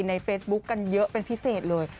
ในเฟซบุ๊คกันเยอะเป็นพิเศษเลย